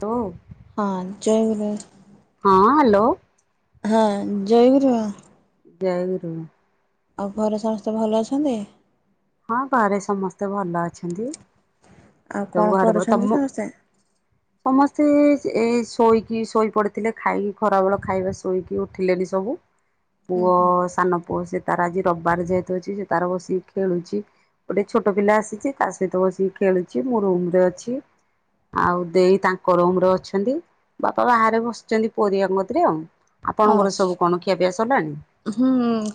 ତ ହଁ ଜୟ ଗୁରୁ। ହଁ ହ୍ୟାଲୋ। ହଁ ଜୟଗରୁ ବାବା। ଜୟ ଗୁରୁ। ଆଉ ଘରେ ସମସ୍ତେ ଭଲ ଅଛନ୍ତି? ହଁ ଘରେ ସମସ୍ତେ ଭଲ ଅଛନ୍ତି। ଆଉ କଣ ତମ ଘରେ ବ କରୁଛନ୍ତି ତମୁ ସମସ୍ତେ? ସମସ୍ତେ ଏଇ ଶୋଇକି ଶୋଇପଡ଼ିଥିଲେ ଖାଇ ଖରାବେଳ ଖାଇବା ଶୋଇକି ଉଠିଲେନି ସବୁ। ହ ପୁଅ ସାନ ପୁଅ ସେ ତାର ଆଜି ରବିବାର ଯେହେତୁ ଅଛି ସେ ତାର ବସିକି ଖେଳୁଛି। ଗୋଟେ ଛୋଟ ପିଲା ଆସିଛି ତା ସହିତ ବସିକି ଖେଳୁଛି ମୁଁ ରୁମ ରେ ଅଛି। ଆଉ ଦେଇ ତାଙ୍କ ରୁମ ରେ ଅଛନ୍ତି। ବାପା ବାହାରେ ବସିଛନ୍ତି ପରୀଆଙ୍ଗକତିରେ ଆଉ ଆପଣଙ୍କର ଅଛି ସବୁ କଣ ଖିଆ ପିଆ ସରିଲାଣି? ହୁଁ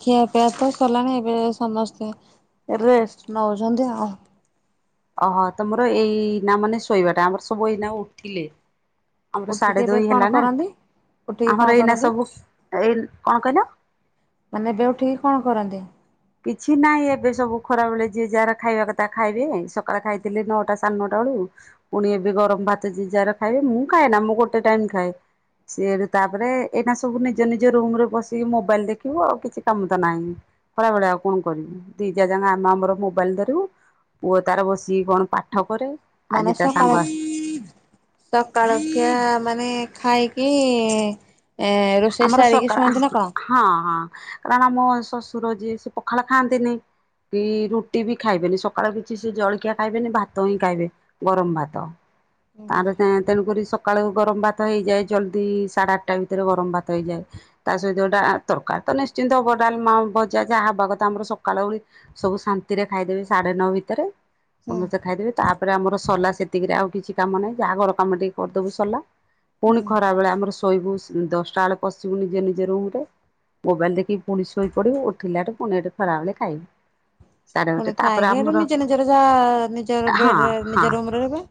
ଖିଆ ପିଆ ତ ସରଲାଣି ଏବେ ସମସ୍ତେ ରେଷ୍ଟ ନଉଛନ୍ତି ଆଉ। ଓହୋ ତମର ଏଇ ନା ମାନେ ଶୋଇବାଟା ଆମର ସବୁ ଏଇନା ଉଠିଲେ। ଆମର ଉଠିକି ସାଢେ ଏବେ ଦୁଇ କଣ ହେଲା ନା କରନ୍ତି? ଉଠିକି କଣ ଆମର ଏଇନା କରନ୍ତି ସବୁ ଏଇ କଣ କହିଲ? ମାନେ ଏବେଉଠିକି କଣ କରନ୍ତି? କିଛି ନାହିଁ ଏବେ ସବୁ ଖରାବେଳେ ଯିଏ ଯାହାର ଖାଇବା କଥା ଖାଇବେ ସକାଳେ ଖାଇଥିଲେ ନଅଟା ସାଢ଼େ ନଅଟା ବେଳୁ। ପୁଣି ଏବେ ଗରମ ଭାତ ଜିଜାର ଖାଇବେ ମୁଁ ଖାଏ ନା ମୁଁ ଗୋଟେ ଟାଇମ ଖାଏ। ସିଏଠୁ ତାପରେ ଏଇନା ସବୁ ନିଜ ନିଜ ରୁମ ରେ ବସିକି ମୋବାଇଲ ଦେଖିବୁ ଆଉ କିଛି କାମ ତ ନାହିଁ। ଖରା ଭଳିଆ ଆଉ କଣ କରିବି ଦି ଯା ଯାଙ୍କ ଆମ ଆମର ମୋବାଇଲ ଧରିବୁ। ପୁଅ ତାର ବସିକି କଣ ପାଠ କରେ। ମାନେ ଆଜି ତା ସାଙ୍ଗ ସକାଳେ ଆସି ସକାଳ ଖିଆ ମାନେ ଖାଇକି ଏ ରୋଷ ରୋଷେଇ ଆମର ସାରିକି ସକାଳ ଶୁଆନ୍ତି ନା କଣ? ହଁ ହଁ କାରଣ ଆମ ଶ୍ୱଶୁର ଯିଏ ସେ ପଖାଳ ଖାଆନ୍ତିନି। କି ରୁଟି ବି ଖାଇବେନି ସକାଳୁ କିଛି ସେ ଜଳଖିଆ ଖାଇବେନି ଭାତ ହିଁ ଖାଇବେ। ଗରମ ଭାତ ତାର ତେଣୁକରି ସ ସକାଳୁ କୁ ଗରମ ଭାତ ହେଇଯାଏ ଜଲ୍ଦି ସାଢ଼େ ଆଠଟା ଭିତରେ ଗରମ ଭାତ ହେଇଯାଏ ତା ସହିତଟା ତରକାର ତ ନିଶ୍ଚିନ୍ତ ହବ ଡାଲମା ବଜା ଯାହା ହବା କଥା ଆମର ସକାଳ ଓଳି। ସବୁ ଶାନ୍ତିରେ ଖାଇଦେବେ ସାଢେ ନଅ ଭିତରେ। ହୁଁ ସମସ୍ତେ ଖାଇଦେବେ ତାପରେ ଆମର ସଲା ସେତିକିରେ ଆଉ କିଛି କାମ ନାହିଁ ଯାହାଘର କାମ ଟିକେ କରିଦବୁ ସଲା। ହୁଁ। ପୁଣି ଖରା ବେଳେ ଆମର ଶୋଇବୁ ଦଶଟା ବେଳେ ପଶିବୁ ନିଜେ ନିଜ ରୁମ ରେ। ମୋବାଇଲ ଦେଖି ପୁଣି ଶୋଇ ପଡିବୁ ଉଠିଲାଠୁ ପୁଣି ଏଠି ଖରା ବେଳେ ଖାଇବୁ। ସାଢେ ଗୋଟେ ପୁଣି ତାପରେ ଖାଇକି ହେଠୁ ଆମର ନିଜ ନିଜର ଯାହା ନିଜର ହଁ ବେଡରେ ହଁ ନିଜ ରୁମ ରେ ରହିବା।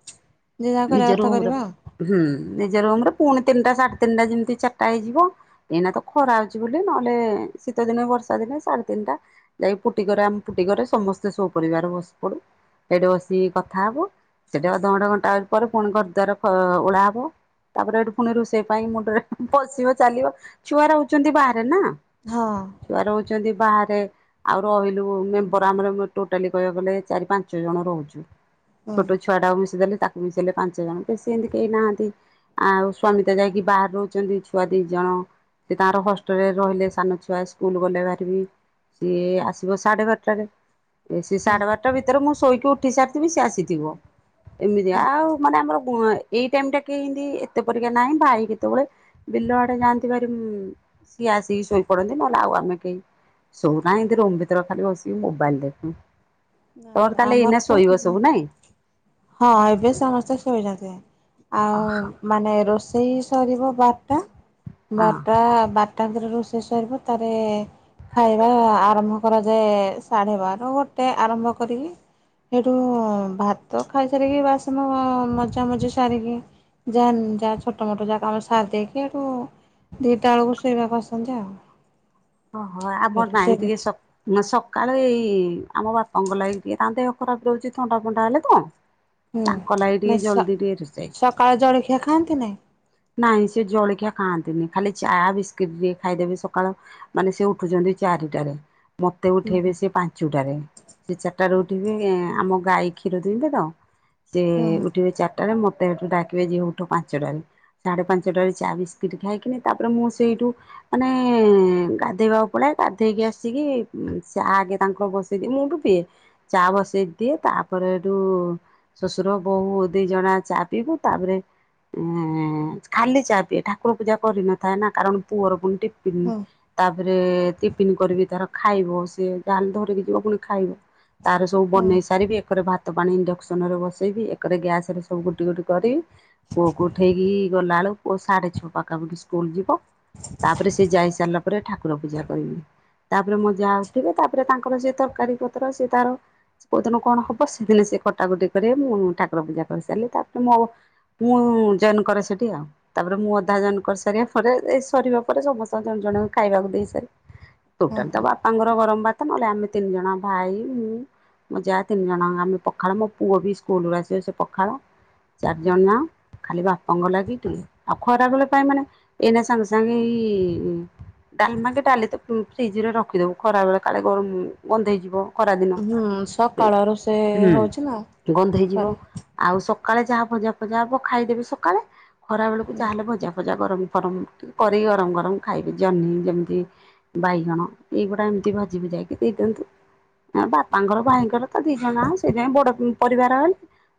ଯିଏ ଯାହା କରିବା ନିଜ କଥା ରୁମରେ କରିବା। ହୁଁ ନିଜେ ରୁମ ପୁଣି ତିନିଟା ସାଢେ ତିନିଟା ଯେମିତି ଚାରଟା ହେଇଯି ଵ ଏହିନା ତ ଖରା ହଉଛି ବୋଲି ନହେଲେ ଶୀତ ଦିନେ ବର୍ଷା ଦିନେ ସାଢେ ତିନିଟା। ଯାଇ ଫୁଟି ଘରେ ଆମେ ଫୁଟି ଘରେ ସମସ୍ତେ ସହ ପରରିବାର ବସି ପଡୁ ହେଇଠି ବସିକି କଥା ହବୁ। ସେଟି ଅଧଘଣ୍ଟା ଘଣ୍ଟାଏ ପରେ ପୁଣି ଘର ଦ୍ବାର ଅ ଓଳା ହବ। ତାପରେ ଏଠୁ ପୁଣି ରୋଷେଇ ପାଇଁ ମୁଣ୍ଡରେ ପଶିବ ଚାଲିବ ଛୁଆ ରହୁଛନ୍ତି ବାହାରେ ନା। ହଁ। ଛୁଆ ରହୁଛନ୍ତି ବାହାରେ। ଆଉ ରହିଲୁ ମେମ୍ବର ଆମର ଟୋଟାଲି କହିବାକୁ ଗଲେ ଚାରି ପାଞ୍ଚ ଜଣ ରହୁଛୁ ଛୋଟ ଛୁ ଛୁଆଟାକୁ ମିଶିଦେଲେ ତାକୁ ମିଶିଲଲେ ପାଞ୍ଚ ଜଣ ବେଶୀ ଏମିତି କେହି ନାହାନ୍ତି। ଆଉ ସ୍ୱାମୀ ତ ଯାଇକି ବାହାରେ ରହୁଛନ୍ତି। ଛୁଆ ଦି ଜଣ ସେ ତାଙ୍କର ହଷ୍ଟେଲରେ ରହିଲେ ସାନ ଛୁଆ ସ୍କୁଲ ଗଲେ ବାହାରିକି। ସିଏ ଆସିବ ସାଢେ ବାରଟାରେ ସିଏ ହୁଁ ସାଢେ ବାରଟା ଭିତ ତରେ ମୁଁ ଶୋଇକି ଉଠି ସାରିଥିବି ସେ ଆସିଥିବ। ଏମିତି ଆଉ ମାନେ ଆମର ଗୁଆଁଏ ଏଇ ଟାଇମ ଟା କିମିତି ଏତେ ପରିକା ନାହିଁ ଭାଇ କେତ ବେଳେ ବିଲ ଆଡେ ଯାଆନ୍ତି ଭାରି ସିଏ ଆସିକି ଶୋଇପଡନ୍ତି ନହେଲେ ଆଉ ଆମେ କେହି ସୋଉନାଏ ଏମିତି ରୁମ ଭିତରେ ଖାଲି ବସିକି ମୋବାଇଲ ଦେଖୁଁ। ତୋର ହୁଁ। ତାହେଲେ ଆମର ଏଇନା ତ ଶୋଇବ ସବୁ ନାଇଁ। ହଁ ଏବେ ସମସ୍ତେ ଶୋଇଛନ୍ତି ଆଉ ମାନେ ରୋଷ ସେଇ ସରିବ ବାରଟା ହଁ ବାରଟା ବାର ତାପରେ ରୋଷେଇ ସରିବ ତାରେ ଖାଇବା ଆରମ୍ଭ କରାଯାଏ ଶାଢେବାର ଗୋଟେ ଆରମ୍ଭ କରିବି। ସେଇଠୁ ଭାତ ଖାଇସାରିକି ବାସନ ମଜା ମଜି ସାରିକି ଯାଏ ଯାହା ଛୋଟ ମୋଟ ଯାକ ଆମ ସାରି ଦେଇକି ଏଠୁ ଦିଟା ବେଳକୁ ଶୋଇବାକୁ ଆସନ୍ତି ଆଉ ଓହୋ ଆମର ସେଠି ନାଇଁ ଶୋଇବେ। ଟିକେ ସ ନା ସକାଳୁ ଏଇ ଆମ ବାପାଙ୍କ ଲାଗି ଟିକେ ତାନ୍ତେ ଖରାପ ଦଉଚି ଥଣ୍ଡା ଫଣ୍ଡା ହେଲେ ତ। ହୁଁ ତାଙ୍କ ଲାଗି ନା ଟିକେ ସ ଜଲଦି ଟିକେ ରୋଷେଇ ସକାଳ ଜଳଖିଆ ଖାଆନ୍ତି ନାଇଁ? ନାଇଁ ସେ ଜଳଖିଆ ଖାଆନ୍ତି ନି ଖାଲି ଚା ବିସ୍କୁିଟ ଟିକେ ଖାଇଦେବେ ସକାଳ ମାନେ ସେ ଉଠୁଛନ୍ତି ଚାରିଟାରେ ମତେ ହୁଁ ହୁଁ ଉଠେଇବେ ସେ ପାଞ୍ଚୁଟାରେ। ସେ ଚାରିଟା ରୁ ଉଠି କି ଆମ ଗାଈ କ୍ଷୀର ଦୁଇଁବେ ତ ସେ ଉଠିବେ ଚାରି ଟାରେ ମତେ ଏଠୁ ଡାକିବେ ଯିଅ ଉଠ ପାଞ୍ଚଟାରେ। ସାଢ଼େ ପାଞ୍ଚଟାରେ ଚା ବିସ୍କିଟ୍ ଖାଇକିନି ତାପରେ ମୁଁ ସେଇଠୁ ମାନେ ଗାଧେଇବାକୁ ପଳାଏ ଗାଧେଇକି ଆସିକି ଚା ଆଗେ ତାଙ୍କ ବସେଇଦେକି ମୁଁ ବି ପିଏ। ଚା ବସେଇ ଦିଏ ତାପରେଏଠୁ ଶ୍ୱଶୁର ବୋହୂ ଦି ଜଣ ଆ ଚା ପିିବୁ ତାପରେ ଏଁ ଖାଲି ଚାହା ପିଏ ଠାକୁର ପୂଜା କରିନଥାଏ ନା କାରଣ ପୁଅର ପୁଣିଟିପିନି ହୁଁ ତାପରେ ଟିଫନ୍ କରିକି ତାର ଖାଇବ ସେ ଯାହାହେଲେ ଧରିକି ଯିବ ପୁଣି ଖାଇବ। ତାର ସବୁ ହୁଁ ବନେଇ ସାରିକି ଏକରେ ଭାତ ଭାତ ପାଣି ଇଣ୍ଡକ୍ସନରେ ବସେଇବି ଏକରେ ଗ୍ୟାସରେ ସବୁ ଗୋଟି ଗୋଟି କରି। ପୁଅ କୁ ଉଠେଇକି ଗଲା ବେଳକୁ ପୁଅ ସାଢେ ଛଅ ପାଖାପାଖି ସ୍କୁଲ ଯିବ ତାପରେ ସେ ଯାଇ ସାରିଲା ତାପରେ ଠାକୁର ପୂଜା କରିବି ତାପରେ ମୋ ହୁଁ ଜା ଉଠିବେ ତାପରେ ତାଙ୍କର ସେ ତରକାରୀ ପତ୍ର ସେ ତାର କୋଉ ଦିନ କଣ ହବ ସେଦିନ ସେ କଟାକଟି କରିବେ ମୁଁ ଠାକୁର ପୂଜା କରିସାରିଲେ ତାପରେ ମୋ ଆଉ ପୁ ଜଏନ୍ କରେ ସେଠି ଆଉ ତାପରେ ମୁଁ ଅଧା ଜଏନ୍ କରି ସାରିବା ପରେ ଏଇ ସରିବା ପରେ ସମସ୍ତ ଜଣେ ଜଣେ ଖାଇବାକୁ ଦେଇ ସାରି ହୁଁ ଟୋଟାଲ ତ ବାପାଙ୍କର ଗରମ ଭାତ ନହେଲେ ଆମେ ତିନି ଜଣ ଭାଇ ମୁଁ ମୋ ଜା ତିନି ଜଣଆଙ୍କ ଆମେ ପଖାଳ ମୋ ପୁଅ ବି ସ୍କୁଲୁରୁ ଆସିବେ ସେ ପଖାଳ। ଚାରି ଜଣ ଯାଁକ। ଖାଲି ବାପାଙ୍କ ଲାଗି ଟି ଆଉ ଖରାବେଳେ ପାଇଁ ମାନେ ଏଇନା ସାଙ୍ଗେ ସାଙ୍ଗେ ଏଇ ଡାଲମା କି ଡାଲି ତ ଉ ଫ୍ରିଜ ରେ ରଖିଦବୁ ଖରା ବେଳେ କାଳେ ଗରମ ଗନ୍ଧେଇ ଯିବ। ଖରାଦିନ ହୁଁ ହୁଁ ସକାଳ ରୋଷେଇ ହଉଛି ନା ହୁଁ ଗନ୍ଦେଇ ଯିବ। ସରି ଆଉ ସକାଳେ ଯାହା ଭଜା ଫଜା ହବ ଖାଇଦେବି ସକାଳେ ଖରା ବେଳକୁ ହୁଁ ଯାହା ହେଲେ ଭଜା। ଭଜା ଗରମ ଫରମ କରି ଗରମ ଗରମ ଖାଇବି ଜହ୍ନି ଯେମିତି ବାଇଗଣ ଏଇଗୁଡା ଏମିତି ଭାଜି ଭୁଯାକି ଦେଇଦିଅନ୍ତୁ। ବାପାଙ୍କର ଭାଇଙ୍କର ତ ଦି ଜଣ ସେଇଥି ପାଇଁ ବଡ ପରିବାର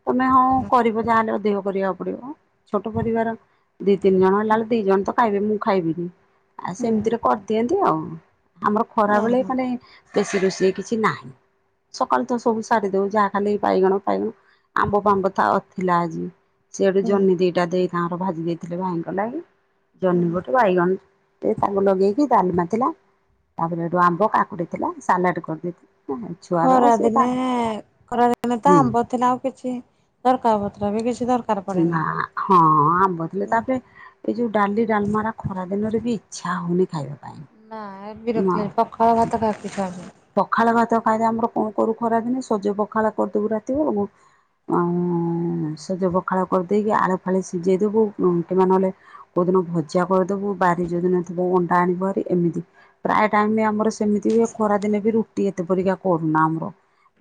ତମେ ହଁ କରିବ ଯାହାହେଲେ ଅଧିକ କରିବାକୁ ପଡିବ। ଛୋଟ ପରିବାର ଦି ତିନି ଜଣ ହେଲାଳୁ ଦି ଜଣ ତ ଖାଇବେ ମୁଁ ଖାଇବିନି ଆଉ ହୁଁ ସେମିତିରେ ସେମିତି ଆଉ ଆମର ଖରା ବେଳେ ଓହୋ ମାନେ ବେଶୀ ରୋଷଇ କିଛି ନାହିଁ। ସକାଳୁ ତ ସବୁ ସାରି ଦଉ ଯାହା ଖାଲି ବାଇଗଣ ଫାଇଗଣ। ଆମ୍ବ ଫାମ୍ବ ଥାଅ ଥିଲା ଆଜି। ସିଆ ଡୁ ଜହ୍ନି ଦିଟା ଦେଈ ତାଙ୍କର ଭାଜି ଦେଇଥିଲେ ଭାଇଙ୍କ ଲାଗି। ଜହ୍ନି ଗୋଟେ ବାଇଗଣ ଟେ ତାକୁ ଲଗେଇ କି ଡାଲମା ଥିଲା ତା ପରେ ସେଠୁ ଆମ୍ବ କାକୁଡି ଥିଲା ସାଲାଟ କରିଦେଇଥିଲି। ଛୁଆର ସିଏ ଖରାଦିନେ ତାର ଖରାଦିନେ ତ ହୁଁ। ଆମ୍ବ ଥିଲା ଆଉ କିଛି ତରକାରି ପତ୍ର ବି କିଛି ଦର ନା ହଁ ଆମ୍ବ ଥିଲେ ତା ପରେ ଏଇ ଯୋଉ ଡାଲି ଡାଲମାରା ଖରା ଦିନରେ ବି ଇଚ୍ଛା ହଉନି ଖାଇବା ପାଇଁ। ନା ମା ବିରକ୍ତି ଲାଗିଲା ପଖାଳ ଭାତ ଖାଇବାକୁ ଇଚ୍ଛା ହଉଚି। ପଖାଳ ଭାତ ଖାଇଦେ ଆମର କଣ କରୁ ଖରା ଦିନେ ସଜ ପଖାଳ କରିଦବୁ ରାତି ବେଳକୁ। ଆଉଁ ସଜ ପଖାଳ କରିଦେଇକି ଆଳୁ ଫାଳି ସିଝେଇ ଦେବୁ। ଉଁ କିବା ନହେଲେ କୋଉଦିନ ଭଜା କରିଦବୁ ବାରି ଯୋଉଦିନ ଥିବ ଅଣ୍ଡା ଆଣିବୁ ଭାରି ଏମିତି। ପ୍ରାୟ ଟାଇମ ଆମର ସେମିତି ବି ଖରା ଦିନେ ବି ରୁଟି ଏତେ ପରିକା କରୁନା ଆମର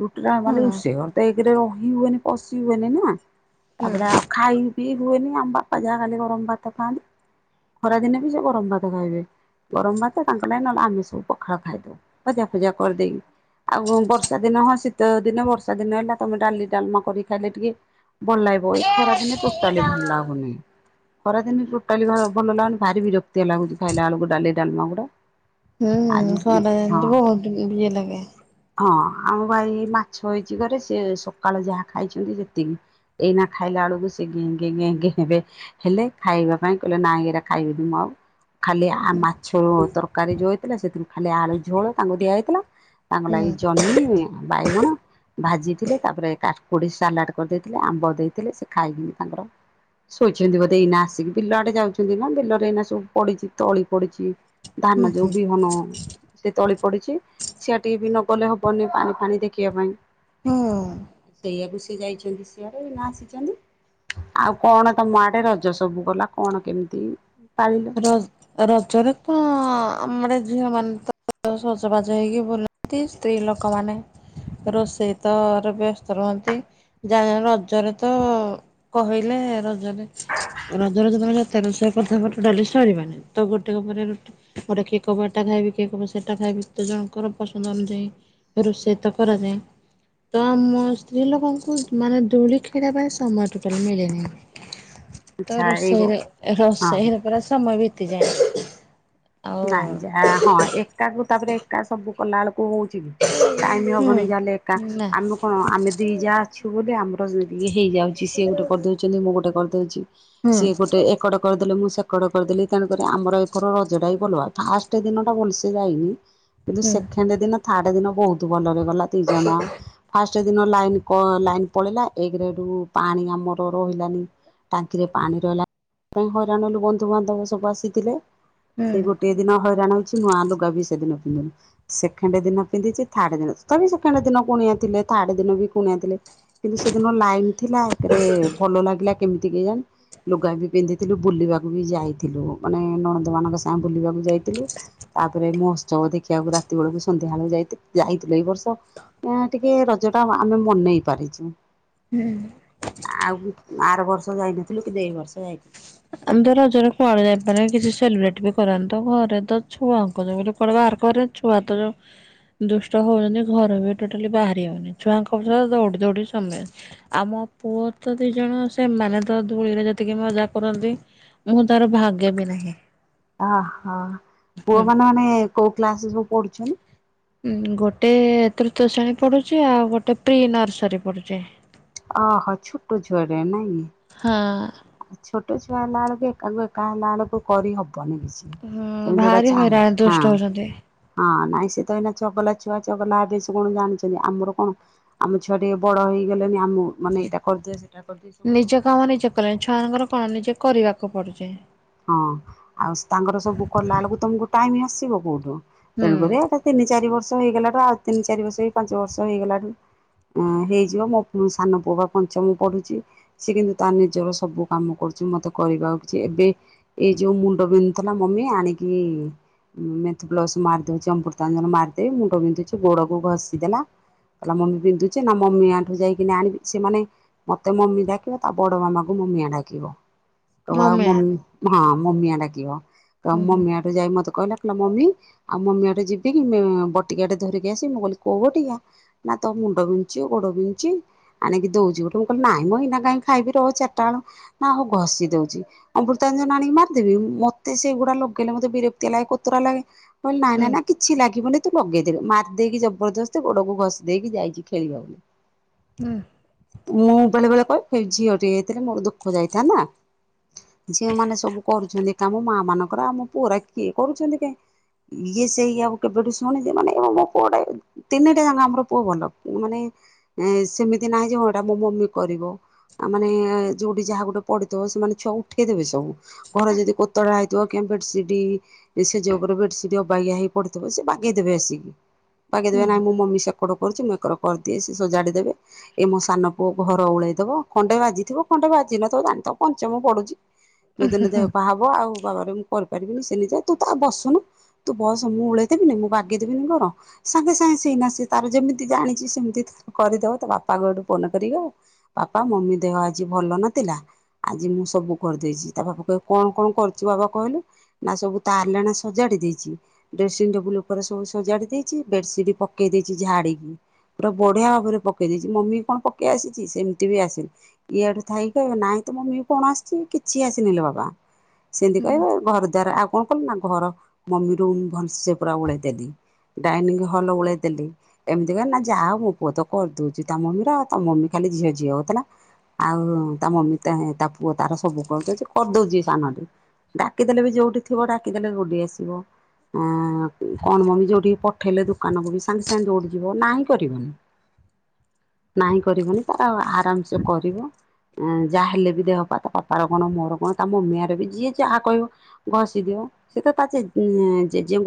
ରୁଟି ଟା ହୁଁ ମାନେ ହୁଁ। ରୋଷେଇ ଘର ତ ଏ ରେ ରହି ହୁଏନି ପଶି ହୁଏନି ନା ତା ପରେ ଆ ଖାଇ ପିଇ ହୁଏନି ଆମ ବାପା ଯାହା ଖାଲି ଗରମ ଭାତ ଖାଆନ୍ତି। ଖରା ଦିନେ ବି ସେ ଗରମ ଭାତ ଖାଇବେ। ଗରମ ଭାତ ତାଙ୍କ ଲାଗି ନହେଲେ ଆମେ ସବୁ ପଖାଳ ଖାଇଦଉ। ଭଜା କରିଦେଇକି। ଆଉ କଁ ବର୍ଷା ଦିନ ହଁ ଶୀତ ଦିନେ ବର୍ଷା ଦିନ ହେଲା ତମେ ଡାଲି ଡାଲମା କରି ଖାଇଲେ ଟିକେ ଭଲ ଲାଗିବ ଏଇ ଖରାଦିନେ ଟୋଟାଲି ଭଲ ଲାଗୁନି। ଖରା ଦିନେ ବି ଟୋଟାଲି ଭା ଭଲ ଲାଗୁନି। ଭାରି ବିରକ୍ତିଆ ଲାଗୁଚି ଖାଇଲା ବେଳକୁ ଡାଲି ଡାଲମା ଗୁଡା। ହୁଁ ଆଜି ଖରା ଦିନେ ହଁ ତ ବହୁତ ଇଏ ଲାଗେ। ହଁ ଆମ ହେଇ ମାଛ ହେଇଚି ଘରେ ସିଏ ସକାଳ ଯାହା ଖାଇଚନ୍ତି ସେତିକି। ଏଇନା ଖାଇଲା ବେଳକୁ ସେ ଗେଁ ଗେଁ ଗେଁ ହେବେ। ହେଲେ ଖାଇବା ପାଇଁ କହିଲେ ନାଇଁ ଏରା ଖାଇବିିନି ମୁଁ ଆଉ। ଖାଲି ଆ ମାଛ ତରକାରୀ ଯୋଉ ହେଇଥିଲା ସେଥିରୁ ଖାଲି ଆଳୁ ଝୋଳ ତାଙ୍କୁ ଦିଆ ହେଇ ଥିଲା ତାଙ୍କ ହୁଁ ଲାଗି ଜହ୍ନି, ବାଇଗଣ ଭାଜିଥିଲେ ତା ପରେ କାକୁଡି ସାଲାଡ କରିଦେଇଥିଲେ ଆମ୍ବ ଦେଇଥିଲେ। ସେ ଖାଇକିନି ତାଙ୍କର ଶୋଇଚନ୍ତି ବୋଧେ ଏଇନା ଆସିକି। ବିଲ ଆଡେ ଯାଉଚନ୍ତି ନା ବିଲରେ ଏଇନା ସବୁ ପଡିଚି ତଳି ପଡିଚି। ହୁଁ ଧାନ ଯୋଉ ହୁଁ ବିହନ ସେ ତଳି ପଡିଚି। ସିଆଡେ ଟିକେ ବି ନ ଗଲେ ହବନି ପାଣି ଫାଣି ଦେଖିବା ପାଇଁ। ହୁଁ। ସେଇଆକୁ ସେ ଯାଇଚନ୍ତି ସିଆଡ ଏଇନା ଆସିଚନ୍ତି। ଆଉ କଣ ତମ ଆଡେ ରଜ ସବୁ ଗଲା। କଣ କେମିତି ପାଳିଲ? ର-ରଜରେ ତ ଆମର ଝିଅ ମାନେ ତ ଅ ସଜବାଜ ହେଇକି ବୁଲନ୍ତି ସ୍ତ୍ରୀ ଲୋକମାନେ ରୋଷେଇ ତ ର ବ୍ୟସ୍ତ ରୁହନ୍ତି। ଯାଉଁ ଯାଉଁ ରଜରେ ତ କହିଲେ ର ରଜ ରେ ଯେ ତମେ ଯେତେ ରୋଷେଇ କରୁଥିବ ଟୋଟାଲି ସରିବନି। ତ ଗୋଟିକ ପରେ ଗୋଟେ ଏପଟେ କିଏ କଇବ ଏଟା ଖାଇବି କି କଇବ ସେଟା ଖାଇବି ତ ଜଣଙ୍କର ପସନ୍ଦ ଅନୁଯାୟୀ ରୋଷେଇ ତ କରାଯାଏ। ତ ଆମ ସ୍ତ୍ରୀ ଲୋକଙ୍କୁ ମାନେ ଦୂଳି ଖେଳିବା ପାଇଁ ସମୟ ଟୋଟାଲି ମିଳେ ନାହିଁ। ତ ଆଚ୍ଛା ଏଇ ରୋଷେଇରେ ହଁ ରୋଷେଇରେ ପରା ସମୟ ବିତିଯାଏ। ଆଉ କାଆଁ ଯା ହଁ ଏକାକୁ ତା ପରେ ଏକା ସବୁ କଲାବେଳକୁ କୋଉ ହଉଚି କି ଟାଇମ୍ ହୁଁ ହବନି ଯା ହେଲେ ଏକା ନା ଆମେ କଣ ଆମେ ଦି ଯା ଅଛୁ ବୋଲି ଆମର ଇଏ ହେଇଯାଉଚି ସିଏ ଗୋଟେ କରିଦଉଚନ୍ତି ମୁଁ ଗୋଟେ କରିଦଉଚି। ହୁଁ ସିଏ ଗୋଟେ ଏକଡ କରିଦେଲେ ମୁଁ ସେ କଡ଼ କରିଦେଲି। ତେଣୁକରି ଆମର ଏଥର ରଜଟା ବି ଭଲ ଆ ଫାଷ୍ଟ ଦିନ ଟା ଭଲସେ ଯାଇନି କିନ୍ତୁ ହୁଁ ସେକେଣ୍ଡ ଦିନ ଥାର୍ଡ ଦିନ ବହୁତ ଭଲରେ ଗଲା ଦି ଜଣ ଫାଶ୍ ଫାଷ୍ଟ ଦିନ ଲାଇନ କ ଲାଇନ୍ ପଳେଇଲା ଏକ ଏଠୁ ପାଣି ଆମର ରହିଲାନି। ଟାଙ୍କିରେ ପାଣି ରହିଲା ପାଇଁ ହଇରାଣ ହେଲୁ ବନ୍ଧୁବାନ୍ଧବ ସବୁ ଆସିଥିଲେ। ସେଇ ହୁଁ ଗୋଟେ ଦିନ ହଇରାଣ ହଉଚି ନୂଆ ଲୁଗା ବି ସେଦିନ ପିନ୍ଧୁନି। ସେକେଣ୍ଡ ଦିନ ପିନ୍ଧିଚି ଥାର୍ଡ ଦିନ ତବି ସେକେଣ୍ଡ ଦିନ କୁଣିଆ ଥିଲେ ଥାର୍ଡ ଦିନ ବି କୁଣିଆ ଥିଲେ କିନ୍ତୁ ସେଦିନ ଲାଇନ ଥିଲା ଏକରେ ଭଲ ଲାଗିଲା କେମିତି କେ ଜାଣି ଲୁଗାବି ପିନ୍ଧି ଥିଲୁ ବୁଲିବାକୁ ବି ଯାଇଥିଲୁ ମାନେ ନଣନ୍ଦ ମାନଙ୍କ ସାଙ୍ଗ ବୁଲିବାକୁ ଯାଇଥିଲୁ। ତାପରେ ମହୋତ୍ସବ ଦେଖିବାକୁ ରାତି ବେଳକୁ ସନ୍ଧ୍ୟା ବେଳେ ଯାଇଥି ଯାଇଥିଲୁ ଏଇ ବର୍ଷ ତ ଅ ଟିକେ ରଜ ଟା ଆମେ ମନେଇ ପାରିଚୁ। ହୁଁ। ଆଉ ଆର ବର୍ଷ ଯାଇନଥିଲୁ କିନ୍ତୁ ଏଇ ବର୍ଷ ଯାଇଥିଲୁ। ଆମ ତ ରଜରେ କୁଆଡେ ଯାଇପାରି କିଛି ସେଲିବ୍ରେଟ ବି କରାନ୍ତୁ ଘରେ ତ ଛୁଆଙ୍କ ଯୋଗୁରୁ କୁଆଡେ ବାହାର କରେ ଛୁଆତ ଯୋଉ ଦୁଷ୍ଟ ହଉଚନ୍ତି ଘର ବି ଟୋଟାଲି ବାହାରି ହଉନି ଛୁଆଙ୍କ ସହ ଦୌଡି ଦୌଡି ସମେ ଆମ ପୁଅତ ଦିଜଣ ସେମାନେତ ଧୂଳିରେ ଯେତିକି ମଜା କରନ୍ତି। ମୁଁ ତାର ଭାଗେ ବି ନାହିଁ। ଓହୋ। ପୁଅମାନେ ମାନେ କୋଉ କ୍ଳାସରେ ସବୁ ପଢୁଛନ୍ତି? ଗୋଟେ ତୃତୀୟ ଶ୍ରେଣୀ ପଢୁଚି ଆଉ ଗୋଟେ ପ୍ରି ନର୍ସରୀ ପଢୁଚି। ଓହୋ ଛୁଟ ଛୁଆ ଗୁରା ନାଇଁ? ହଁ। ଛୋଟ ଛୁଆ ହେଲା ବେଳକୁ କାଲ ଏକା ହେଲା ବେଳକୁ କରିହବନି କିଛି। ହୁଁ ତମେ ଯୋଉଟା ଭାରି ଚାହିଁ ହଇରାଣ। ହଁ ଦୁଷ୍ଟ ହଉଛନ୍ତି। ହଁ ନାଇଁ ସେ ତ ଏଇନା ଚଗଲା ଛୁଆ ଚଗଲା ହେବେ ସେ କଣ ଜାଣିଚନ୍ତି। ଆମର କଣ ଆମ ଛୁଆ ଟିକେ ବଡ ହେଇଗଲେଣି ଆମ ମାନେ ଏଇଟା କରିଦିଅ ସେଟା କରିଦେ ସେ ଗୋଟେ ଗୋଟେ ଆରାମ ସେ ସାର୍ ଙ୍କର କଁ ନିଜେ କରିବାକୁ ପଡ଼ୁଚି। ହଁ ଆଉ ତାଙ୍କର ସବୁ କଲା ବେଳକୁ ତମକୁ ଟାଇମ ଆସିବ କୋଉଠୁ ହୁଁ। ତେଣୁକରି ଏଟା ତିନି ଚାରି ବର୍ଷ ହେଇଗଲାଟୁ ଆଉ ତିନି ଚାରି ବର୍ଷ କି ପାଞ୍ଚ ବର୍ଷ ହେଇଗଲାରୁୁ ହଁ ହେଇଯିବ ମୋ ସାନ ପୁଅ ବା ପଞ୍ଚମ ପଢ଼ୁଚି। ସେ କିନ୍ତୁ ତା ନିଜର ସବୁ କାମ କରୁଚି ମତେ କରିବା ଆଉ କିଛି ଏବେ ଏଇ ଯୋଉ ମୁଣ୍ଡ ବିନ୍ଧୁଥିଲା ମମି ଆଣିକି ମେନ୍ଥପ୍ଲସ୍ ମାରିଦଉଛି ଅମୃତାଞ୍ଜନ ମାରିଦେ ମୁଣ୍ଡ ବିନ୍ଧୁଚି ଗୋଡ କୁ ଘଷି ଦେଲା। କଲା ମମି ବୁନ୍ଧୁଚି ନା ମମି ଆଠୁ ଯାଇକି ଆଣିବି ସେମାନେ ମତେ ମମି ଡାକିବ ତା ବଡ ମାମାଙ୍କୁ ମମିଆ ଡାକିବ। ତ ଆଉ ମମିଆ ମ ହଁ ମମିଆ ଡାକିବ। ତ ହୁଁ ହୁଁ ମମିଆଠୁ ଯାଇ ମତେ କହିଲା କଇଲା ମମି ଆଉ ମମିଆ ଠୁ ଯିବି କି ମୋ ବଟିକାଆଟେ ଧରିକି ଆସିମୀ। ମୁଁ କହିଲି କୋଉ ବଟିକା? ନା ତୋ ମୁଣ୍ଡ ବିନ୍ଧୁଚି ଗୋଡ ବିନ୍ଧୁଚି। ଆଣିକି ଦଉଚି ଗୋଟେ ମୁ କହିଲି ନାହିଁ ନାହିଁ ଇନା କଁ ଖାଇବି ରହ ଚାରିଟା ବଳୁ ନା ହଉ ଘଷି ଦଉଛି। ଅମ୍ବୁ ତଞ୍ଜନ ଆଣିକି ମାରିଦେବି। ମତେ ସେଗୁଡା ଲଗେଇଲେ ମତେ ବିରକ୍ତିଆ ଲାଗେ କୋତରା ଲାଗେ କଇଲି ନା ନା ହୁଁ ନା କିଛି ଲାଗିବନି। ତୁ ମଗେଇଦେଲୁ ମାଦିକି ଜବରଦସ୍ତ ଗୋଡକୁ ଘସି ଦେଇକି ଯାଇଚି ଖେଳିବାକୁ। ଉଁ। ମୁଁ ବେଳେବେଳେ କଏ ଏଇ ଝିଅ ଟିଏ ହେଇଥିଲେ ମୋର ଦୁଃଖ ଯାଇଥାନ୍ତା। ଝିଅମାନେ ସବୁ କରୁଛନ୍ତି ହୁଁ। କାମ ମା ମାନଙ୍କର ଆମ ପୁଅ ରା କିଏ କରୁଛନ୍ତି କାଇଁ। ଇଏ ସେଇ ଆଉ କେବେଠୁ ଶୁଣିଚି ମାନେ [unintelligible] ତିନିଟା ଯାଙ୍କ ଆମର ପୁଅ ଭଲ ମାନେ ସେମିତି ନାହିଁ ଯେ ହଁ ଏଟା ମୋ ମମି କରିବ। ଆ ମାନେ ଯୋଉଠି ଯାହା ଗୋଟେ ପଡିଥିବ ସେମାନେ ଛୁଆ ଉଠେଇଦେବେ ସବୁ ଘର ଯଦି କୋତରା ହେ ତ କେ ବେଡସିଡି ଶେଯ ଉପରେ ବେଡସିଟି ଅବାଗିଆ ହେଇ ପଡିଥିବ ସେ ବାଗେଇଦବେ ଆସିକି। ବାଗେଇଦେବେ ନା ମୋ ମମି ସେ ଏକଡ କରୁଚି ମୁଁ ଏକର କରିଦିଏ ସେ ସଜାଡ଼ିଦେବେ ଏ ମୋ ସାନ ପୁଅ ଘର ଓଳେଇଦବ ଖଣ୍ଡେ ବାଜିଥିବ ଖଣ୍ଡେ ବାଜି ନଥିବ ଜାଣିତ ପଞ୍ଚମ ପଡୁଚି। ଯୋଉ ଦିନ ଦେହପା ହବ ଆଉ ବାବାରେ ମୁଁ କରିପାରିବିନି ସେ ନିିଜେ ତୁ ତ ବସୁନୁ ତୁ ବସ ମୁଁ ଓଳେଇ ଦେବିନି ମୁଁ ବାଗେଇଦେବିନି ଘର। ସବୁ ସାଏ ସେଇନା ସେ ତାର ଯେମିତି ଜାଣିଚି ସେମିତି ତ କରିଦବ ତା ବାପାଙ୍କୁ ଏଠୁ ଫୋନ କରିବ ପାପ ମମି ଦେହ ଆଜି ଭଲ ନଥିଲା। ଆଜି ମୁଁ ସବୁ କରିଦେଇଚି। ତା ବାବା କହିବେ କଣ କଣ କରିଚୁ ବାବା କହିଲୁ ନା ସବୁ ତା ଆଲଣା ସଜାଡ଼ି ଦେଇଚି। ଡ୍ରେସିଂ ଟେବୁଲ ଉପରେ ସବୁ ସଜାଡି ଦେଇଚି। ବେଡ଼ସିଟ ପକେଇ ଦେଇଚି ଝାଡ଼ିକି। ପୁରା ବଢ଼ିଆ ଭାବରେ ପକେଇ ଦେଇଚି। ମମିକି କଣ ପକେଇ ଆସିଚି ସେମିତି ବି ଆସିନି। ଇଏ ହେଟୁ ଥାଇକି କହିବେ ନାଇଁ ତୋ ମମି କି କଣ ଆସ କିଛି ଆସିନିଲୋ ବାବା ସେମିତି କହିବ ଘରଦ୍ୱାର ଆଉ କଣ କଲୁ ନା ଘର ମମି ରୁମ୍ ଭଲସେ ପୁରା ଓଳେଇ ଦେଲି। ଡାଇନିଂ ହଲ୍ ଓଳେଇଦେଲି। ଏମିତି କହିବେ ନା ଯାହା ହୋଉ ମୋ ପୁଅ ତ କରିଦଉଚି ତା ମମିର ଆଉ ତା ମମି ଖାଲି ଝିଅ ଝିଅ ହଉଥିଲା। ଆଉ ତା ମମି ତା ତା ପୁଅ ତାର ସବୁ କରିଦଉଚି କରିଦଉଚି ସାନ ଟି। ଡାକିଦେଲେ ବି ଯୋଉଁଠି ଥିବ ଡାକିଦେଲେ ଧୌଡି ଆସିବ। ହଁ କଣ ମମି ଯୋଉଁଠିକି ପଠେଇଲେ ଦୋକାନକୁ ବି ସାଙ୍ଗେ ସାଙ୍ଗେ ଦୌଡ଼ିଯିବ ନାହିଁ କରିବନି। ନାହିଁ କରିବୁନି ତାର ଆରାମସେ କରିବ ଯାହା ହେଲେ ବି ଦେହ ପା ତ। ତାର କଣ ମୋର କଣ ତା ମମିଆଁର ବି ଯିଏ ଯହା କହିବ ଘଷି ଦିଅ ସେ ତ ତା ଯେ ଯେ ଙ୍କ ର